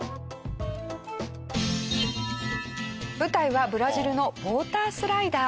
舞台はブラジルのウォータースライダー。